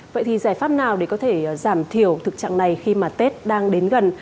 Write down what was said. vậy thì giải pháp nào để có thể giảm thiểu thực trạng này khi mà tết đang đến gần